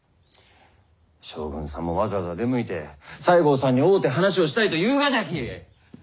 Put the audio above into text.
将軍さんもわざわざ出向いて西郷さんに会うて話をしたいと言うがじゃき。